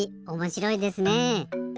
おもしろいですね。